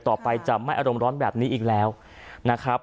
ต่อไปจะไม่อารมณ์ร้อนแบบนี้อีกแล้วนะครับ